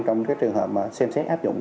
trong trường hợp xem xét áp dụng